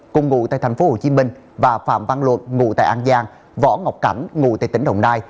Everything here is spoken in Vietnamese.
cùng ngụ tại tp hcm và phạm văn luật ngụ tại an giang võ ngọc cảnh ngụ tại tỉnh đồng nai